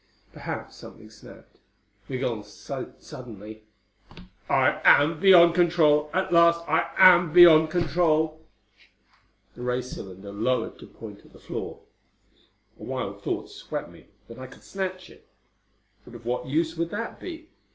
Perhaps something snapped. Migul said suddenly, "I am beyond control! At last I am beyond control!" The ray cylinder lowered to point at the floor. A wild thought swept me that I could snatch it. But of what use would that be?